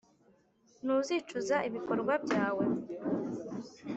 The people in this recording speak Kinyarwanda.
ntuzicuza ibikorwa byawe.